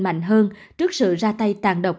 mạnh hơn trước sự ra tay tàn độc